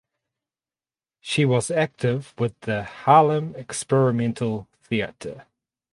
She was active with the Harlem Experimental Theatre.